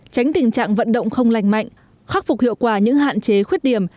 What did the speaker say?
tránh tình trạng vận động không lành mạnh khắc phục hiệu quả những hạn chế khuyết điểm